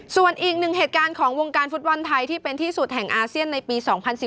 ส่วนอีกหนึ่งเหตุการณ์ของวงการฟุตบอลไทยที่เป็นที่สุดแห่งอาเซียนในปี๒๐๑๘